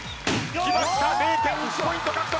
きました０．１ポイント獲得。